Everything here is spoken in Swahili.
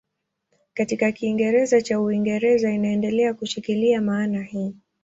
Katika Kiingereza cha Uingereza inaendelea kushikilia maana hii.